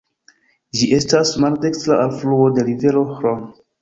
Ĝi estas maldekstra alfluo de rivero Hron.